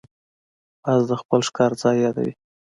باز د خپل ښکار ځای یادوي